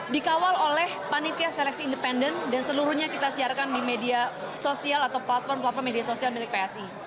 dikawal oleh panitia seleksi independen dan seluruhnya kita siarkan di media sosial atau platform platform media sosial milik psi